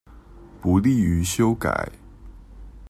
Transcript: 不利於修改